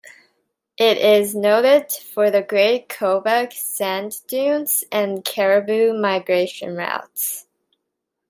It is noted for the Great Kobuk Sand Dunes and caribou migration routes.